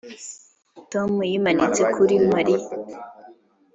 Tom yimanitse kuri Mariya